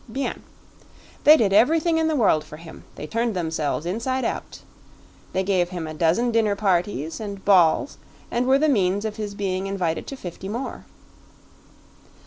BIEN. They did everything in the world for him they turned themselves inside out. They gave him a dozen dinner parties and balls and were the means of his being invited to fifty more.